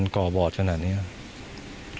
ก็ไม่ได้คิดอะไรมาก